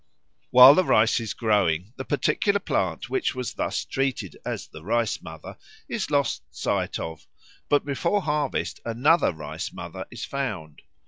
While the rice is growing, the particular plant which was thus treated as the Rice mother is lost sight of; but before harvest another Rice mother is found.